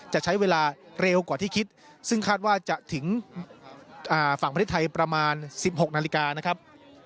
จะใช้เวลาเร็วกว่าที่คิดซึ่งคาดว่าจะถึงฝั่งประเทศไทยประมาณ๑๖นาฬิกานะครับ